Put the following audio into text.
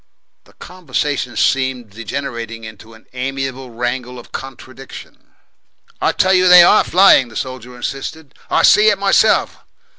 The conversation seemed degenerating into an amiable wrangle of contradiction. "I tell you they ARE flying," the soldier insisted. "I see it myself."